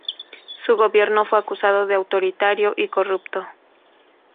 Su gobierno fue acusado de autoritario y corrupto.